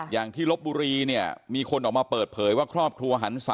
อย่างที่ลบบุรีเนี่ยมีคนออกมาเปิดเผยว่าครอบครัวหันศา